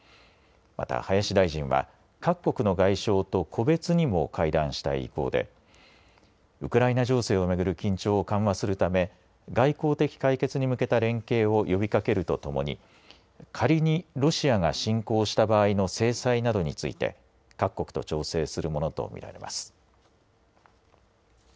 また林大臣は、各国の外相と個別にも会談したい意向で、ウクライナ情勢を巡る緊張を緩和するため、外交的解決に向けた連携を呼びかけるとともに、仮にロシアが侵攻した場合の制裁などについて、各国と調整するものと見られます。